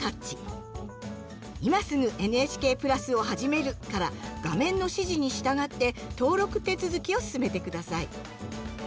「今すぐＮＨＫプラスをはじめる」から画面の指示に従って登録手続きを進めて下さい。